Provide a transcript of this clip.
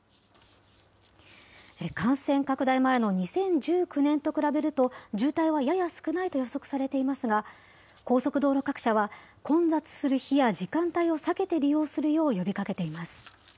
感染拡大前の２０１９年と比べると、渋滞はやや少ないと予測されていますが、高速道路各社は、混雑する日や時間帯を避けて利用するよう呼びかけています。